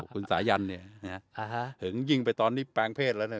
คุณสายันเนี่ยอ่าฮะเหิงยิงไปตอนนี้แปลงเพศแล้วน่ะ